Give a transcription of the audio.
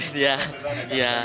satu satu ya